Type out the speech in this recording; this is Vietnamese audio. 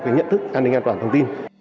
cái nhận thức an ninh an toàn thông tin